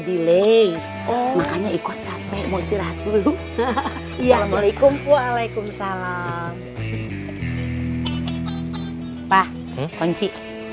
delay makanya ikut capek mau istirahat dulu ya waalaikumsalam pak kunci